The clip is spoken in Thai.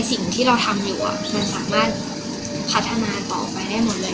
สิ่งที่เราทำอยู่มันสามารถพัฒนาต่อไปได้หมดเลย